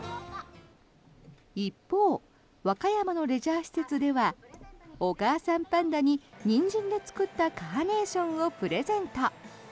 一方、和歌山のレジャー施設ではお母さんパンダにニンジンで作ったカーネーションをプレゼント。